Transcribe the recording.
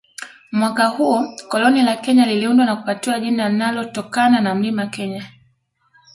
Mwaka huo koloni la Kenya liliundwa na kupatiwa jina linalotokana na Mlima Kenya